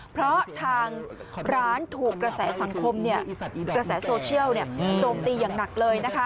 เพราะทางร้านถูกกระแสสังคมกระแสโซเชียลโจมตีอย่างหนักเลยนะคะ